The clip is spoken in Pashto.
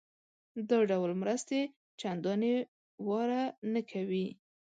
دا ډول مرستې چندانې واره نه کوي.